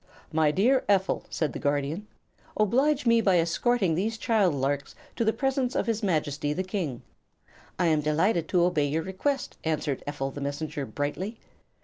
"My dear Ephel," said the Guardian, "oblige me by escorting these child larks to the presence of his Majesty the King." "I am delighted to obey your request," answered Ephel the Messenger, brightly.